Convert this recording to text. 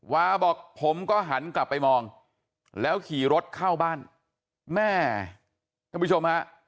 วาบอกผมก็หันกลับไปมองแล้วขี่รถเข้าบ้านแม่ท่านผู้ชมฮะ